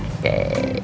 terima kasih kang